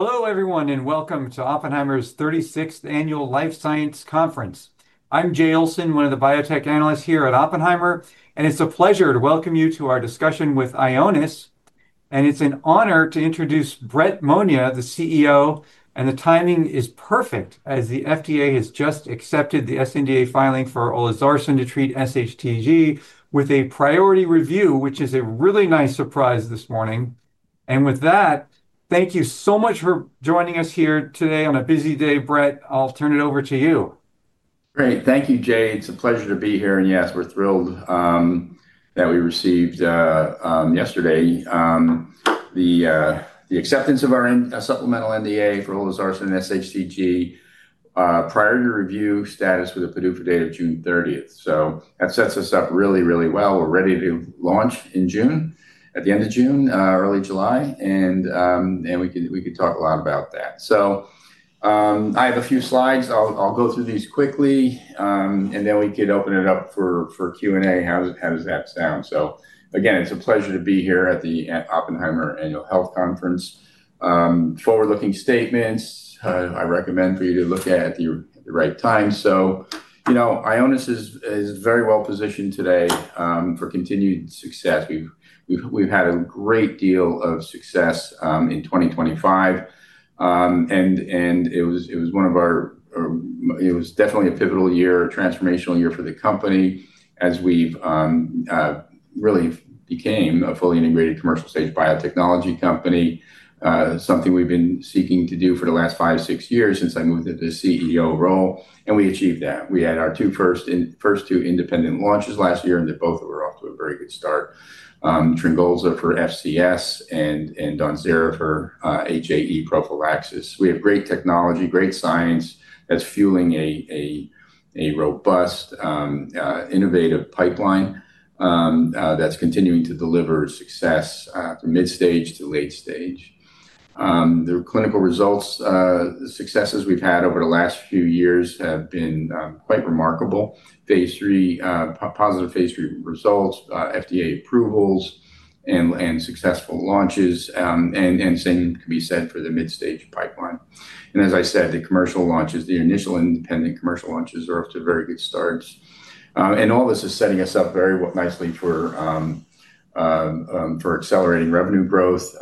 Hello, everyone, welcome to Oppenheimer's 36th Annual Healthcare Life Sciences Conference. I'm Jay Olson, one of the biotech analysts here at Oppenheimer. It's a pleasure to welcome you to our discussion with Ionis. It's an honor to introduce Brett Monia, the CEO. The timing is perfect, as the FDA has just accepted the sNDA filing for olezarsen to treat sHTG with a priority review, which is a really nice surprise this morning. With that, thank you so much for joining us here today on a busy day, Brett. I'll turn it over to you. Great. Thank you, Jay. It's a pleasure to be here. Yes, we're thrilled that we received yesterday the acceptance of our supplemental NDA for olezarsen sHTG, priority review status with a PDUFA date of June 30th. That sets us up really well. We're ready to launch in June, at the end of June, early July. We could talk a lot about that. I have a few slides. I'll go through these quickly. Then we could open it up for Q&A. How does that sound? Again, it's a pleasure to be here at the Oppenheimer Annual Health Conference. Forward-looking statements, I recommend for you to look at the right time. you know, Ionis is very well positioned today for continued success. We've had a great deal of success in 2025. And it was definitely a pivotal year, a transformational year for the company, as we've really became a fully integrated commercial-stage biotechnology company. Something we've been seeking to do for the last 5, 6 years since I moved into the CEO role, and we achieved that. We had our two first two independent launches last year, and they both were off to a very good start. TRYNGOLZA for FCS and DAWNZERA for HAE prophylaxis. We have great technology, great science, that's fueling a robust innovative pipeline that's continuing to deliver success from mid-stage to late stage. The clinical results, the successes we've had over the last few years have been quite remarkable. phase III, positive phase III results, FDA approvals, and successful launches, and same can be said for the midstage pipeline. As I said, the commercial launches, the initial independent commercial launches are off to a very good start. All this is setting us up very well, nicely for accelerating revenue growth,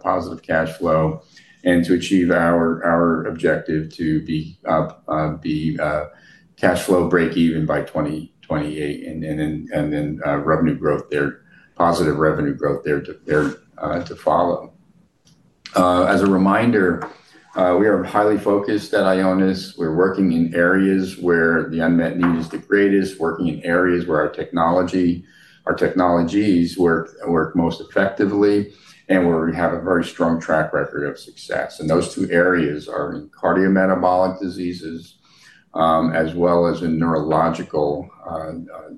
positive cash flow, and to achieve our objective to be cash flow break even by 2028, and then revenue growth there, positive revenue growth there to follow. As a reminder, we are highly focused at Ionis. We're working in areas where the unmet need is the greatest, working in areas where our technology, our technologies work most effectively, and where we have a very strong track record of success. Those two areas are in cardiometabolic diseases, as well as in neurological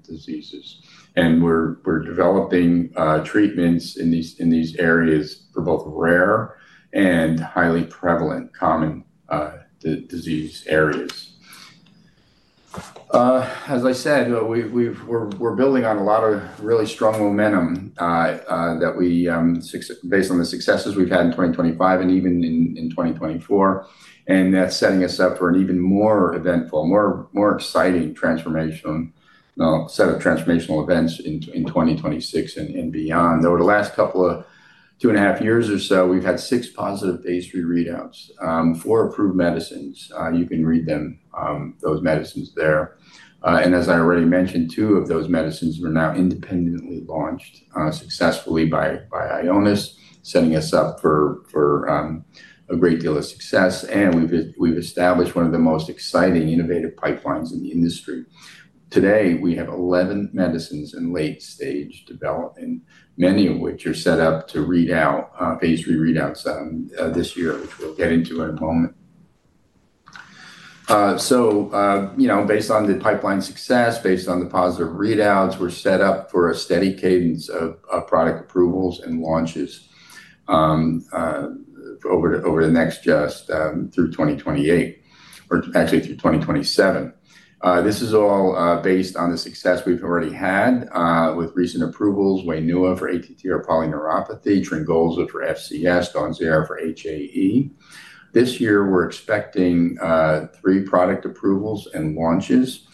diseases. We're developing treatments in these, in these areas for both rare and highly prevalent, common disease areas. As I said, we're building on a lot of really strong momentum that we, based on the successes we've had in 2025 and even in 2024, and that's setting us up for an even more eventful, more exciting transformational set of transformational events in 2026 and beyond. Over the last couple of two and a half years or so, we've had six positive phase three readouts, four approved medicines. You can read them, those medicines there. As I already mentioned, two of those medicines were now independently launched successfully by Ionis, setting us up for a great deal of success, and we've established one of the most exciting innovative pipelines in the industry. Today, we have 11 medicines in late-stage development, many of which are set up to read out phase three readouts this year, which we'll get into in a moment. You know, based on the pipeline success, based on the positive readouts, we're set up for a steady cadence of product approvals and launches over the, over the next just through 2028, or actually through 2027. This is all based on the success we've already had with recent approvals, WAINUA for ATTR polyneuropathy, TRYNGOLZA for FCS, DAWNZERA for HAE. This year, we're expecting 3 product approvals and launches.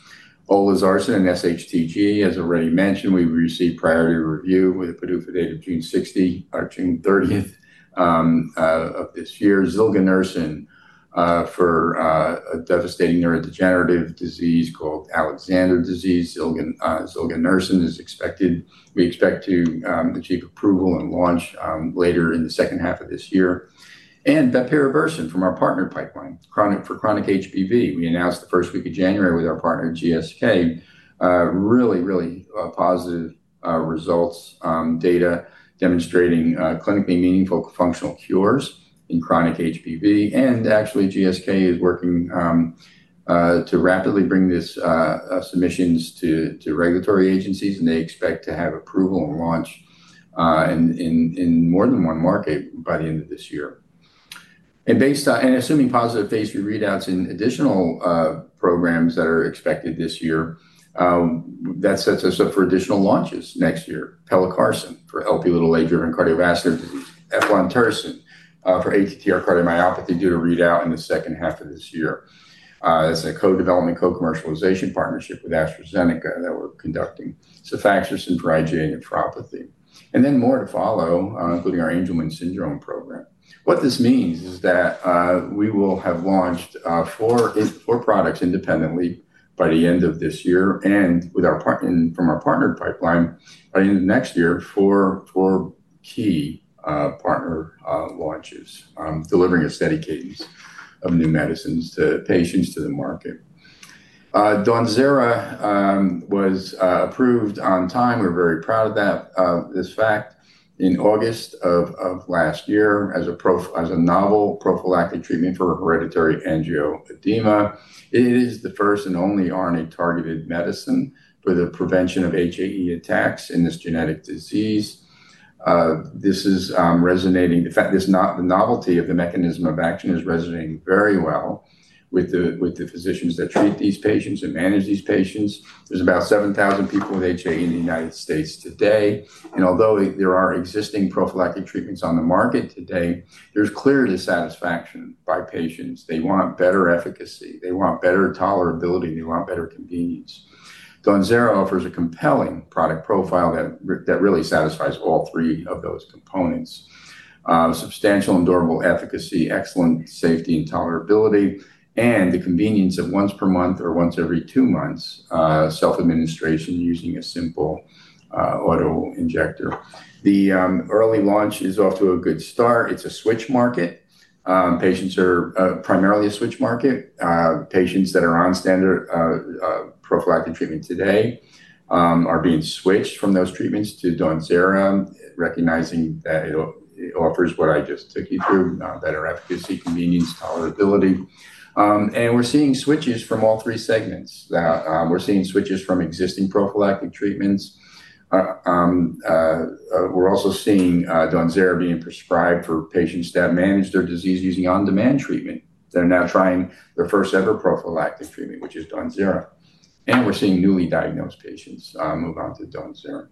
Olezarsen and sHTG, as already mentioned, we received priority review with a PDUFA date of June 30th of this year. Zilganersen for a devastating neurodegenerative disease called Alexander disease. Zilganersen, we expect to achieve approval and launch later in the second half of this year. Bepirovirsen from our partner pipeline, chronic, for chronic HBV. We announced the first week of January with our partner, GSK, really positive results, data demonstrating clinically meaningful functional cures in chronic HBV. Actually, GSK is working to rapidly bring this submissions to regulatory agencies, and they expect to have approval and launch in more than one market by the end of this year. Based on, and assuming positive phase III readouts in additional programs that are expected this year, that sets us up for additional launches next year. Pelacarsen for Lp(a) during cardiovascular disease, eplontersen, for ATTR cardiomyopathy, due to read out in the second half of this year. As a co-development, co-commercialization partnership with AstraZeneca that we're conducting, sefaxersen for IgA nephropathy, and then more to follow, including our Angelman syndrome program. What this means is that, we will have launched, four products independently by the end of this year, from our partner pipeline, by the end of next year, four key partner launches. Delivering a steady cadence of new medicines to patients, to the market. DAWNZERA was approved on time. We're very proud of that, this fact. In August of last year, as a novel prophylactic treatment for hereditary angioedema. It is the first and only RNA-targeted medicine for the prevention of HAE attacks in this genetic disease. This is resonating. In fact, this novelty of the mechanism of action is resonating very well with the, with the physicians that treat these patients and manage these patients. There's about 7,000 people with HAE in the United States today, and although there are existing prophylactic treatments on the market today, there's clear dissatisfaction by patients. They want better efficacy, they want better tolerability, they want better convenience. DAWNZERA offers a compelling product profile that really satisfies all three of those components. Substantial and durable efficacy, excellent safety and tolerability, and the convenience of once per month or once every 2 months, self-administration using a simple auto-injector. The early launch is off to a good start. It's a switch market. Patients are primarily a switch market. Patients that are on standard prophylactic treatment today are being switched from those treatments to DAWNZERA, recognizing that it offers what I just took you through, better efficacy, convenience, tolerability. We're seeing switches from all three segments. We're seeing switches from existing prophylactic treatments. We're also seeing DAWNZERA being prescribed for patients that manage their disease using on-demand treatment. They're now trying their first-ever prophylactic treatment, which is DAWNZERA. We're seeing newly diagnosed patients move on to DAWNZERA.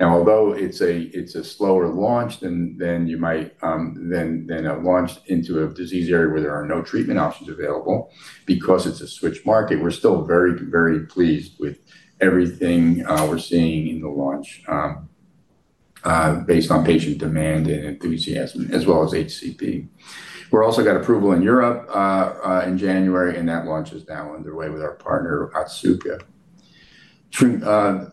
Although it's a slower launch than you might than a launch into a disease area where there are no treatment options available, because it's a switch market, we're still very, very pleased with everything we're seeing in the launch based on patient demand and enthusiasm, as well as HCP. We're also got approval in Europe in January, and that launch is now underway with our partner, Otsuka. Treat, what our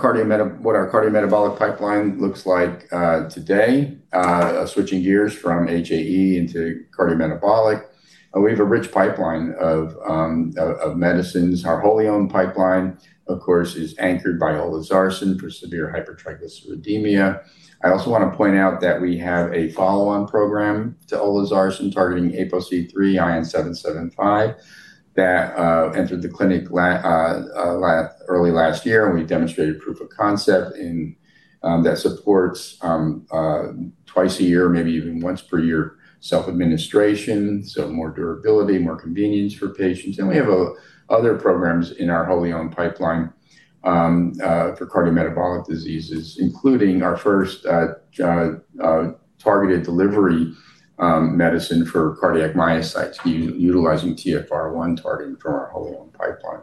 cardiometabolic pipeline looks like today. Switching gears from HAE into cardiometabolic, we have a rich pipeline of medicines. Our wholly-owned pipeline, of course, is anchored by olezarsen for severe hypertriglyceridemia. I also want to point out that we have a follow-on program to olezarsen, targeting APOC3 ION775, that entered the clinic early last year, and we demonstrated proof of concept that supports twice a year, maybe even once per year, self-administration, so more durability, more convenience for patients. We have other programs in our wholly-owned pipeline for cardiometabolic diseases, including our first targeted delivery medicine for cardiac myocytes utilizing TfR1 targeting from our wholly-owned pipeline.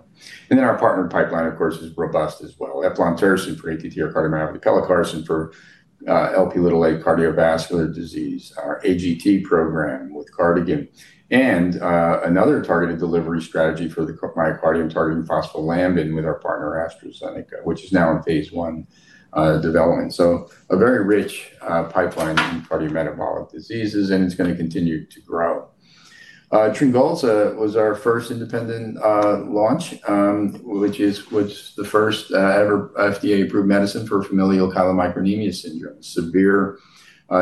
Our partnered pipeline, of course, is robust as well. eplontersen for ATTR cardiomyopathy, pelacarsen for Lp(a) cardiovascular disease, our AGT program with Kardigan, and another targeted delivery strategy for the myocardium targeting phospholamban with our partner, AstraZeneca, which is now in phase I development. A very rich pipeline in cardiometabolic diseases, and it's gonna continue to grow. TRYNGOLZA was our first independent launch, which is, was the first ever FDA-approved medicine for familial chylomicronemia syndrome, a severe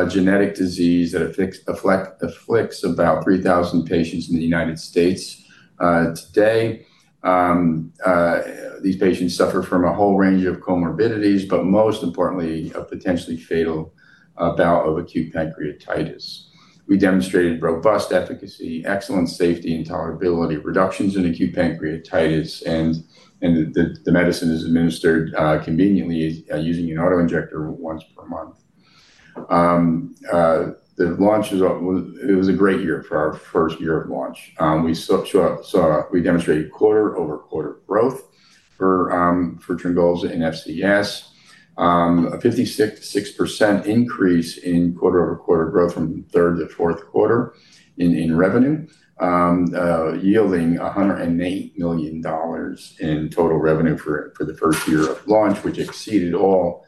genetic disease that afflicts about 3,000 patients in the United States. Today, these patients suffer from a whole range of comorbidities, but most importantly, a potentially fatal bout of acute pancreatitis. We demonstrated robust efficacy, excellent safety and tolerability, reductions in acute pancreatitis, and the medicine is administered conveniently using an auto-injector once per month. The launch is, it was a great year for our first year of launch. We saw, we demonstrated quarter-over-quarter growth for TRYNGOLZA in FCS. A 56% increase in quarter-over-quarter growth from third to fourth quarter in revenue, yielding $108 million in total revenue for the first year of launch, which exceeded all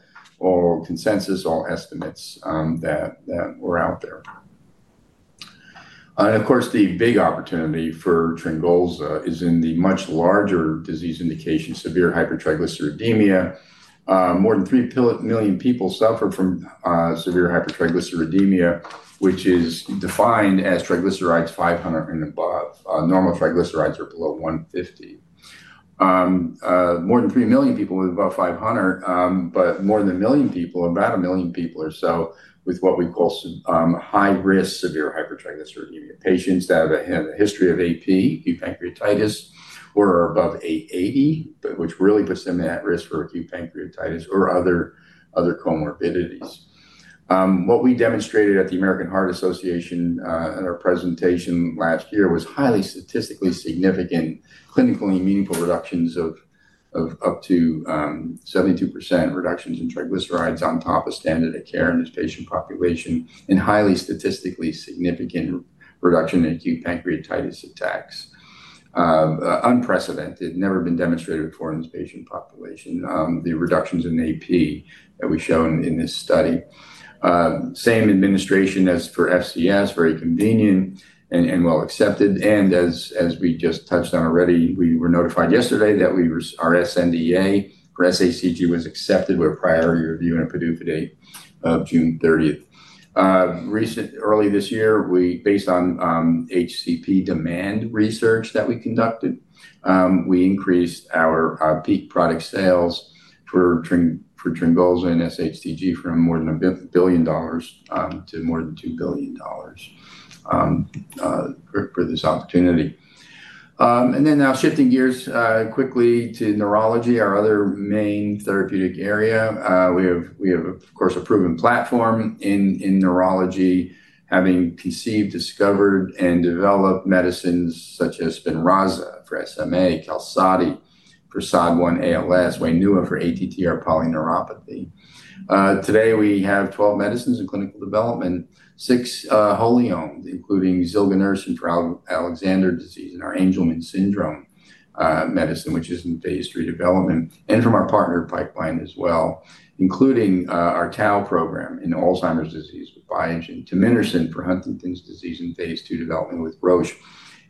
consensus, all estimates that were out there. Of course, the big opportunity for TRYNGOLZA is in the much larger disease indication, severe hypertriglyceridemia. More than 3 million people suffer from severe hypertriglyceridemia, which is defined as triglycerides 500 mg/dL and above. Normal triglycerides are below 150 mg/dL. More than 3 million people with above 500 mg/dL, but more than 1 million people, about 1 million people or so, with what we call high-risk severe hypertriglyceridemia. Patients that have a history of AP, acute pancreatitis, or are above 880, but which really puts them at risk for acute pancreatitis or other comorbidities. What we demonstrated at the American Heart Association, at our presentation last year, was highly statistically significant, clinically meaningful reductions of up to 72% reductions in triglycerides on top of standard of care in this patient population, and highly statistically significant reduction in acute pancreatitis attacks. Unprecedented, never been demonstrated before in this patient population, the reductions in AP that we've shown in this study. Same administration as per FCS, very convenient and well accepted, as we just touched on already, we were notified yesterday that our SNDA for SACT was accepted with prior review and a PDUFA date of June 30th. Early this year, we, based on HCP demand research that we conducted, we increased our peak product sales for TRYNGOLZA and SHTG from more than $1 billion to more than $2 billion for this opportunity. Now shifting gears quickly to neurology, our other main therapeutic area. We have, of course, a proven platform in neurology, having conceived, discovered, and developed medicines such as SPINRAZA for SMA, Qalsody for SOD1-ALS, WAINUA for ATTR polyneuropathy. Today, we have 12 medicines in clinical development, 6 wholly owned, including zilganersen for Alexander disease and our Angelman syndrome medicine, which is in phase III development, and from our partner pipeline as well, including our tau program in Alzheimer's disease with Biogen, tominersen for Huntington's disease in phase II development with Roche.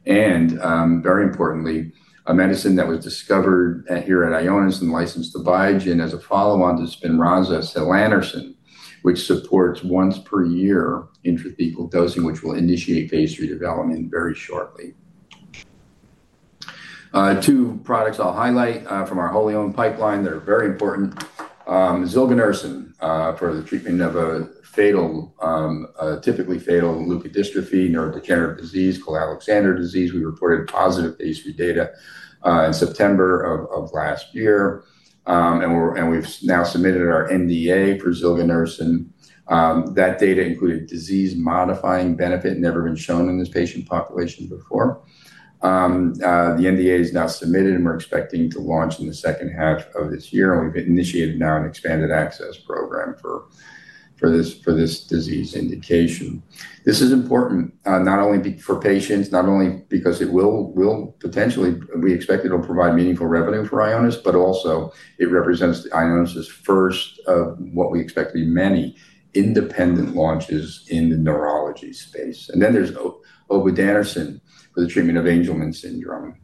Very importantly, a medicine that was discovered here at Ionis and licensed to Biogen as a follow-on to SPINRAZA, Salanersen, which supports once-per-year intrathecal dosing, which will initiate phase III development very shortly. 2 products I'll highlight from our wholly owned pipeline that are very important. zilganersen for the treatment of a fatal, typically fatal leukodystrophy, neurodegenerative disease called Alexander disease. We reported positive phase III data in September of last year. We've now submitted our NDA for zilganersen. That data included disease-modifying benefit, never been shown in this patient population before. The NDA is now submitted, and we're expecting to launch in the second half of this year, and we've initiated now an expanded access program for this disease indication. This is important, not only for patients, not only because it will potentially... We expect it'll provide meaningful revenue for Ionis, but also it represents Ionis' first of what we expect to be many independent launches in the neurology space. There's Obinutersen for the treatment of Angelman syndrome,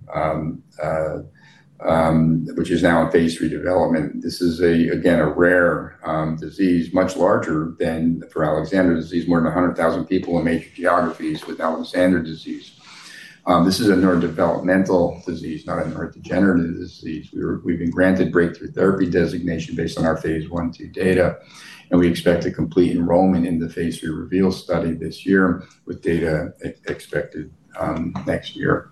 which is now in phase III development. This is a, again, a rare disease, much larger than for Alexander disease. More than 100,000 people in major geographies with Alexander disease. This is a neurodevelopmental disease, not a neurodegenerative disease. We've been granted Breakthrough Therapy designation based on our phase I and II data, and we expect to complete enrollment in the phase III REVEAL study this year, with data expected next year.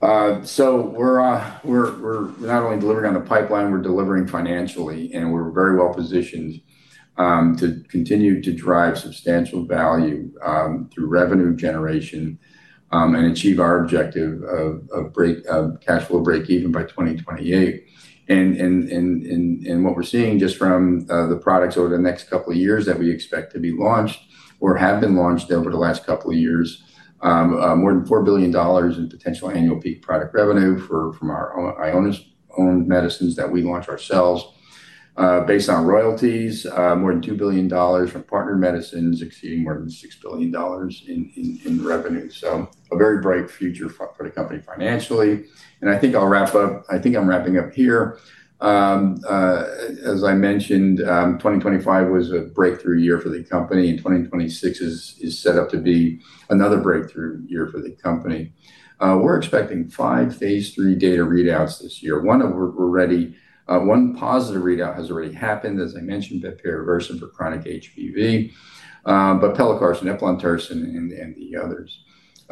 We're not only delivering on the pipeline, we're delivering financially, and we're very well positioned to continue to drive substantial value through revenue generation and achieve our objective of cashflow breakeven by 2028. What we're seeing just from the products over the next couple of years that we expect to be launched or have been launched over the last couple of years, more than $4 billion in potential annual peak product revenue from our Ionis-owned medicines that we launch ourselves. Based on royalties, $2 billion from partnered medicines, exceeding $6 billion in revenue. A very bright future for the company financially. I think I'll wrap up. I think I'm wrapping up here. As I mentioned, 2025 was a breakthrough year for the company, and 2026 is set up to be another breakthrough year for the company. We're expecting 5 phase III data readouts this year. One of which one positive readout has already happened, as I mentioned, bepirovirsen for chronic HBV, pelacarsen, eplontersen, and the others,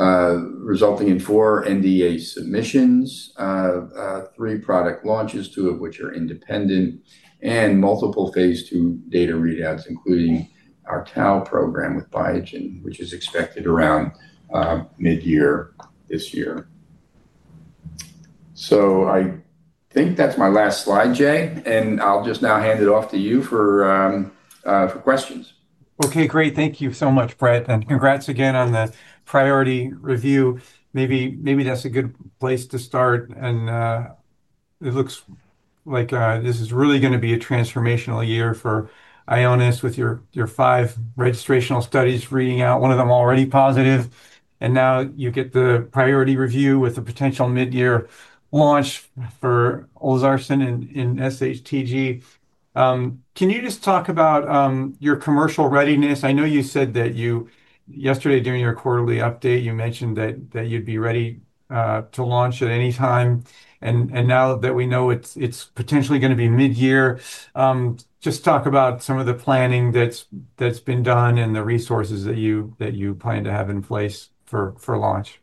resulting in 4 NDA submissions, 3 product launches, 2 of which are independent, and multiple phase II data readouts, including our tau program with Biogen, which is expected around mid-year this year. I think that's my last slide, Jay, and I'll just now hand it off to you for questions. Okay, great. Thank you so much, Brett, and congrats again on the priority review. Maybe that's a good place to start. It looks like this is really going to be a transformational year for Ionis with your five registrational studies reading out, one of them already positive, and now you get the priority review with a potential mid-year launch for olezarsen in sHTG. Can you just talk about your commercial readiness? I know you said that yesterday, during your quarterly update, you mentioned that you'd be ready to launch at any time. Now that we know it's potentially going to be mid-year, just talk about some of the planning that's been done and the resources that you plan to have in place for launch.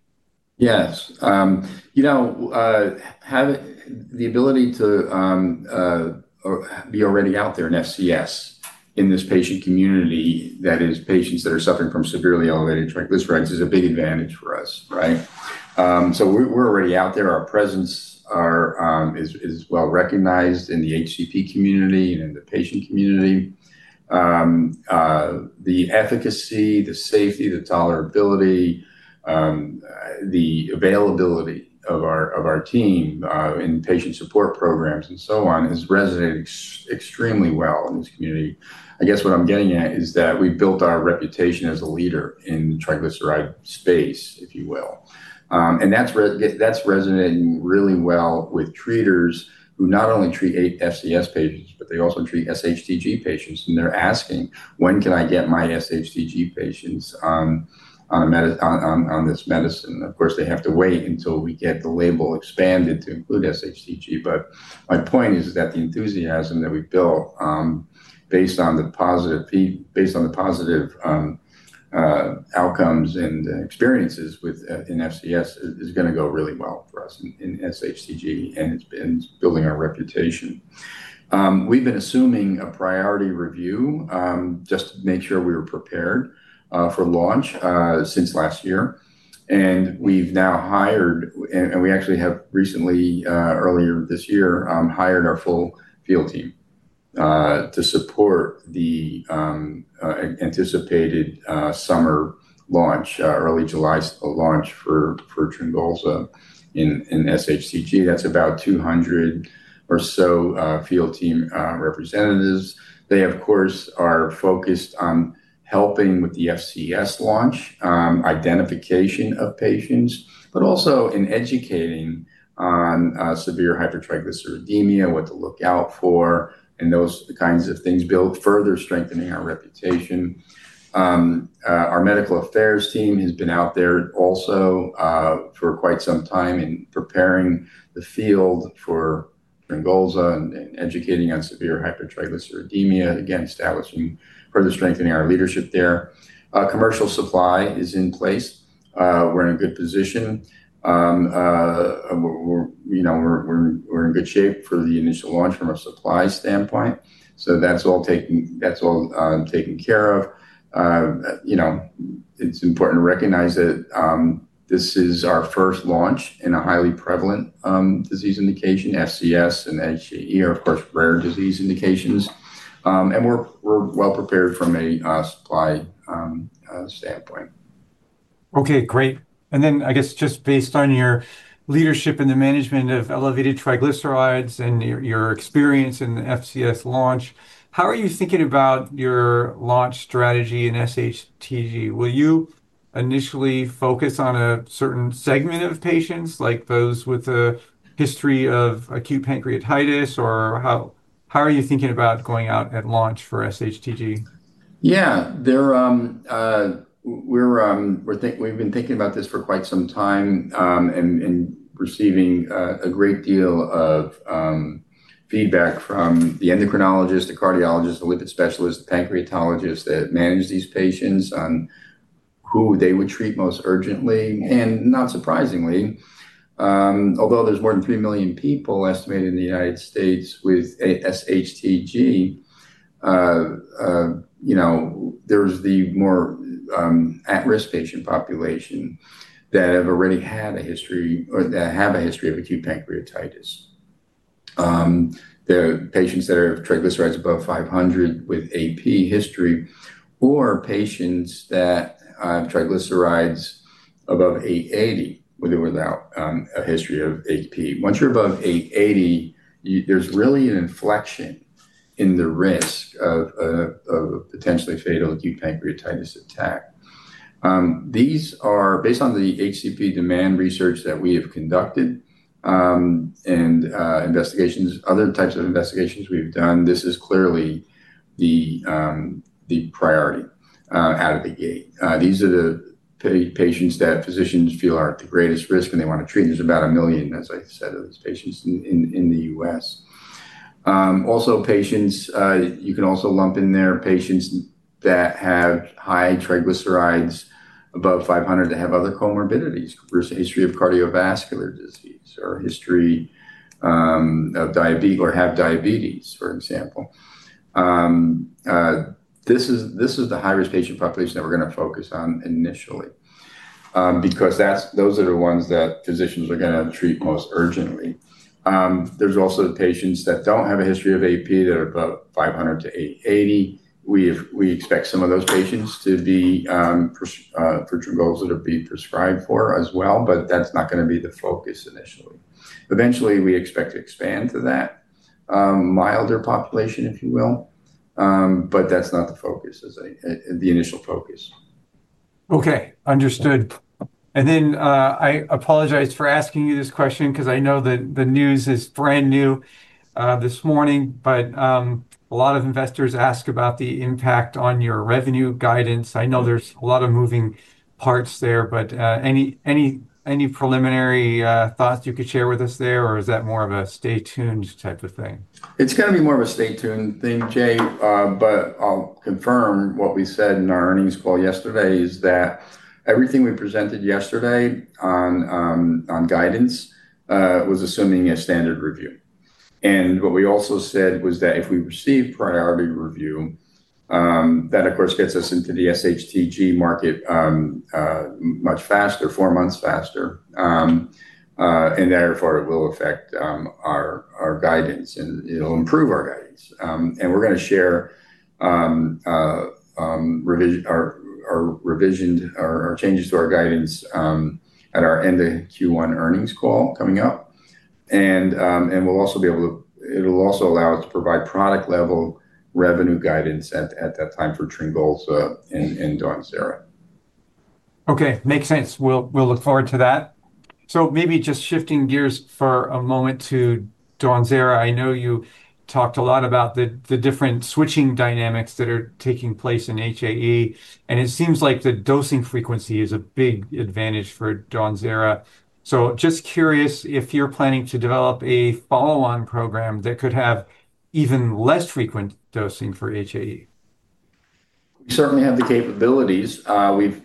Yes. you know, having the ability to, or be already out there in FCS in this patient community, that is, patients that are suffering from severely elevated triglycerides, is a big advantage for us, right. We're, we're already out there. Our presence is well recognized in the HCP community and in the patient community. The efficacy, the safety, the tolerability, the availability of our, of our team, in patient support programs and so on, has resonated extremely well in this community. I guess what I'm getting at is that we built our reputation as a leader in the triglyceride space, if you will. That's resonating really well with treaters who not only treat FCS patients, but they also treat sHTG patients, and they're asking: "When can I get my sHTG patients on this medicine?" Of course, they have to wait until we get the label expanded to include sHTG. My point is that the enthusiasm that we've built, based on the positive outcomes and experiences with in FCS, is going to go really well for us in sHTG, and it's been building our reputation. We've been assuming a Priority Review, just to make sure we were prepared for launch, since last year. We've now hired, we actually have recently, earlier this year, hired our full field team to support the anticipated summer launch, early July launch for TRYNGOLZA in sHTG. That's about 200 or so field team representatives. They, of course, are focused on helping with the FCS launch, identification of patients, but also in educating on severe hypertriglyceridemia, what to look out for, and those kinds of things build further strengthening our reputation. Our medical affairs team has been out there also for quite some time in preparing the field for TRYNGOLZA and educating on severe hypertriglyceridemia, again, establishing further strengthening our leadership there. Our commercial supply is in place. We're in a good position. We're, you know, we're in good shape for the initial launch from a supply standpoint, so that's all taken care of. You know, it's important to recognize that this is our first launch in a highly prevalent disease indication, FCS and sHTG are, of course, rare disease indications. We're well prepared from a supply standpoint. Okay, great. I guess, just based on your leadership in the management of elevated triglycerides and your experience in the FCS launch, how are you thinking about your launch strategy in sHTG? Will you initially focus on a certain segment of patients, like those with a history of acute pancreatitis? Or how are you thinking about going out at launch for sHTG? Yeah. There, we've been thinking about this for quite some time, and receiving a great deal of feedback from the endocrinologist, the cardiologist, the lipid specialist, the pancreatologist that manage these patients on who they would treat most urgently. Not surprisingly, although there's more than 3 million people estimated in the United States with SHTG, you know, there's the more at-risk patient population that have already had a history or that have a history of acute pancreatitis. The patients that have triglycerides above 500 mg/dL with AP history, or patients that have triglycerides above 880 mg/dL, with or without a history of AP. Once you're above 880 mg/dL, there's really an inflection in the risk of a potentially fatal acute pancreatitis attack. These are based on the HCP demand research that we have conducted, and investigations, other types of investigations we've done, this is clearly the priority out of the gate. These are the patients that physicians feel are at the greatest risk, and they want to treat. There's about $1 million, as I said, of these patients in the U.S. Also patients, you can also lump in there patients that have high triglycerides above 500 mg/dL, that have other comorbidities, versus a history of cardiovascular disease, or a history of diabetes, or have diabetes, for example. This is the highest patient population that we're going to focus on initially, because those are the ones that physicians are going to treat most urgently. There's also the patients that don't have a history of AP, that are above 500 mg/dL to 880 mg/dL. We expect some of those patients to be for TRYNGOLZA to be prescribed for as well, but that's not going to be the focus initially. Eventually, we expect to expand to that milder population, if you will. That's not the focus, as the initial focus. Okay, understood. I apologize for asking you this question 'cause I know that the news is brand new this morning, but a lot of investors ask about the impact on your revenue guidance. I know there's a lot of moving parts there, any preliminary thoughts you could share with us there, or is that more of a stay tuned type of thing? It's gonna be more of a stay tuned thing, Jay. I'll confirm what we said in our earnings call yesterday, is that everything we presented yesterday on guidance was assuming a standard review. What we also said was that if we receive priority review, that of course gets us into the sHTG market much faster, 4 months faster. Therefore it will affect our guidance, and it'll improve our guidance. We're gonna share our changes to our guidance at our end of Q1 earnings call coming up. It'll also allow us to provide product-level revenue guidance at that time for TRYNGOLZA and DAWNZERA. Okay, makes sense. We'll look forward to that. Maybe just shifting gears for a moment to DAWNZERA. I know you talked a lot about the different switching dynamics that are taking place in HAE, and it seems like the dosing frequency is a big advantage for DAWNZERA. Just curious if you're planning to develop a follow-on program that could have even less frequent dosing for HAE? We certainly have the capabilities.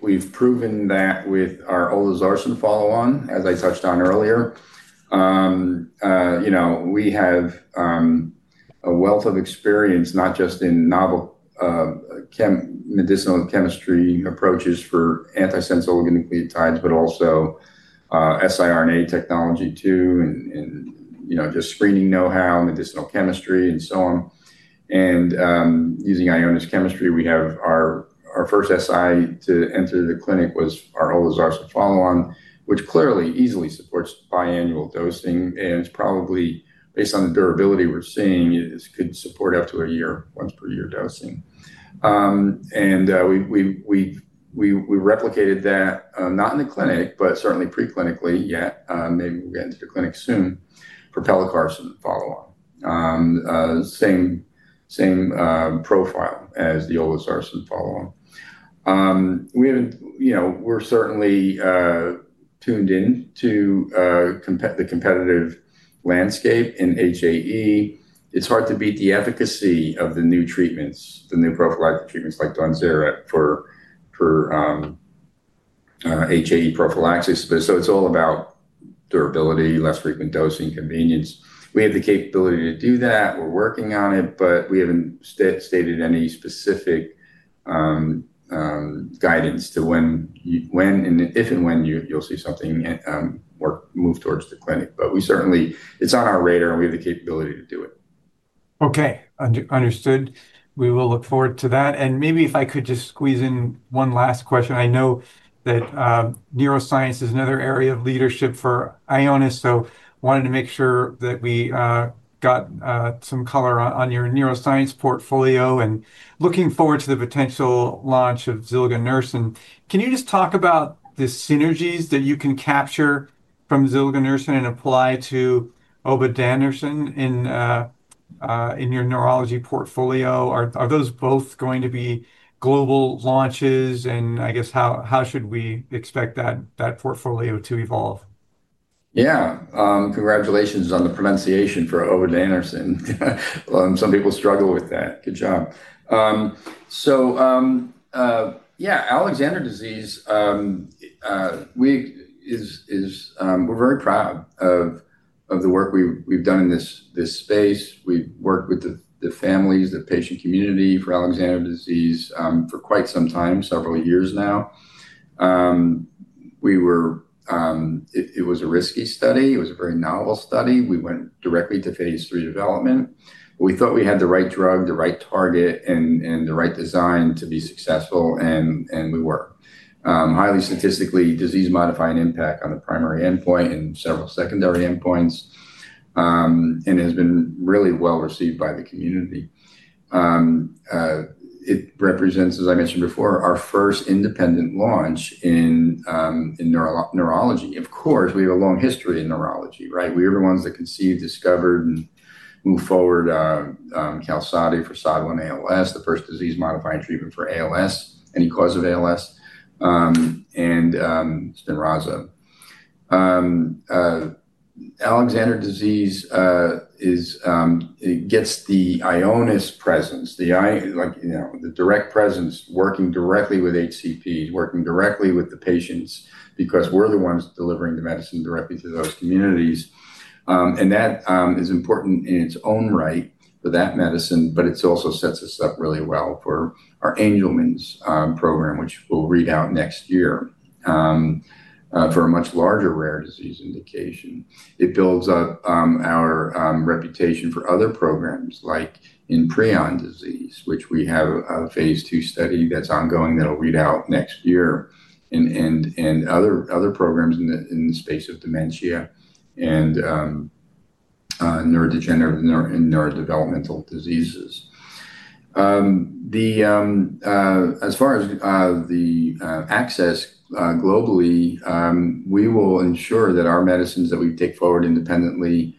We've proven that with our olezarsen follow-on, as I touched on earlier. you know, we have a wealth of experience, not just in novel medicinal chemistry approaches for antisense oligonucleotides, but also siRNA technology too, and, you know, just screening know-how, medicinal chemistry, and so on. Using Ionis chemistry, we have our first SI to enter the clinic was our olezarsen follow-on, which clearly easily supports biannual dosing, and it's probably, based on the durability we're seeing, it could support up to 1 year, once per year dosing. We've replicated that not in the clinic, but certainly pre-clinically, yet. Maybe we'll get into the clinic soon, for pelacarsen follow-on. Same profile as the olezarsen follow-on. We have you know, we're certainly tuned in to the competitive landscape in HAE. It's hard to beat the efficacy of the new treatments, the new prophylactic treatments like DAWNZERA, for HAE prophylaxis. It's all about durability, less frequent dosing, convenience. We have the capability to do that. We're working on it, but we haven't stated any specific guidance to when and if and when you'll see something or move towards the clinic. We certainly. It's on our radar, and we have the capability to do it. Okay, understood. We will look forward to that. Maybe if I could just squeeze in one last question. I know that neuroscience is another area of leadership for Ionis, so wanted to make sure that we got some color on your neuroscience portfolio, and looking forward to the potential launch of zilganersen. Can you just talk about the synergies that you can capture from zilganersen and apply to Obinutersen in your neurology portfolio? Are those both going to be global launches? I guess, how should we expect that portfolio to evolve? Yeah. Congratulations on the pronunciation for Obinutersen. Some people struggle with that. Good job. Yeah, Alexander disease is. We're very proud of the work we've done in this space. We've worked with the families, the patient community for Alexander disease for quite some time, several years now. We were, it was a risky study. It was a very novel study. We went directly to phase III development. We thought we had the right drug, the right target, and the right design to be successful, and we were. Highly statistically disease-modifying impact on the primary endpoint and several secondary endpoints and has been really well-received by the community. It represents, as I mentioned before, our first independent launch in neurology. Of course, we have a long history in neurology, right? We were the ones that conceived, discovered, and moved forward, Qalsody for SOD1-ALS, the first disease-modifying treatment for ALS, any cause of ALS, and SPINRAZA. Alexander disease is it gets the Ionis presence, like, you know, the direct presence, working directly with HCPs, working directly with the patients, because we're the ones delivering the medicine directly to those communities. That is important in its own right for that medicine, but it also sets us up really well for our Angelman's program, which we'll read out next year for a much larger rare disease indication. It builds up our reputation for other programs, like in prion disease, which we have a phase II study that's ongoing that'll read out next year, and other programs in the space of dementia, neurodegenerative and neurodevelopmental diseases. As far as the access globally, we will ensure that our medicines that we take forward independently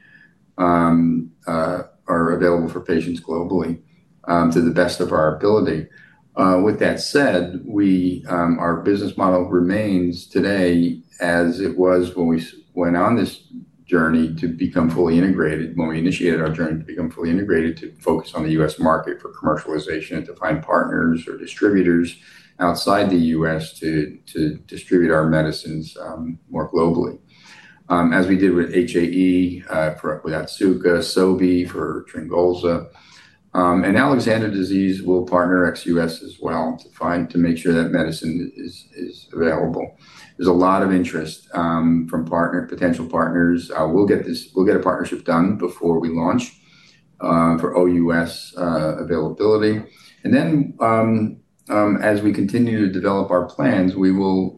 are available for patients globally to the best of our ability. With that said, we our business model remains today as it was when we went on this journey to become fully integrated, when we initiated our journey to become fully integrated, to focus on the U.S. market for commercialization, and to find partners or distributors outside the U.S. to distribute our medicines more globally. As we did with HAE, for with Otsuka, Sobi for TRYNGOLZA. Alexander disease, we'll partner ex U.S. as well to find, to make sure that medicine is available. There's a lot of interest from partner, potential partners. We'll get a partnership done before we launch for OUS availability. As we continue to develop our plans, we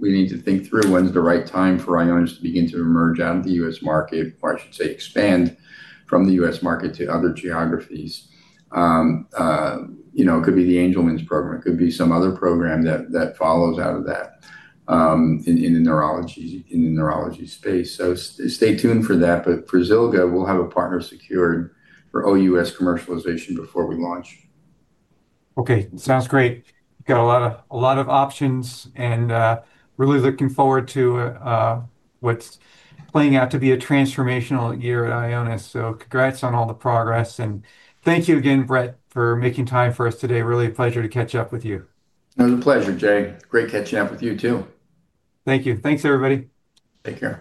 need to think through when's the right time for Ionis to begin to emerge out of the U.S. market, or I should say, expand from the U.S. market to other geographies. You know, it could be the Angelman's program, it could be some other program that follows out of that, in the neurology space. Stay tuned for that, but for Zilga, we'll have a partner secured for OUS commercialization before we launch. Okay, sounds great. Got a lot of, a lot of options, really looking forward to what's playing out to be a transformational year at Ionis. Congrats on all the progress, and thank you again, Brett, for making time for us today. Really a pleasure to catch up with you. It was a pleasure, Jay. Great catching up with you, too. Thank you. Thanks, everybody. Take care.